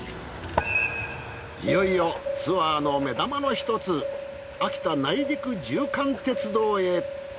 いよいよツアーの目玉の１つ秋田内陸縦貫鉄道へ。